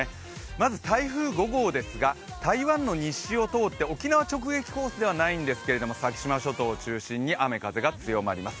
まず台風５号ですが、台湾の西を通って、沖縄直撃コースではないんですけど先島諸島を中心に雨・風が強まります。